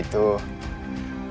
tidak tidak tidak